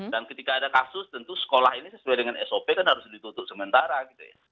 dan ketika ada kasus tentu sekolah ini sesuai dengan sop kan harus ditutup sementara gitu ya